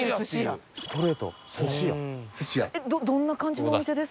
どんな感じのお店ですか？